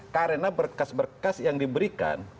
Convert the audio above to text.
karena berkas berkas yang diberikan